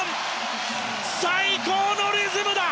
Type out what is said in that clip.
最高のリズムだ！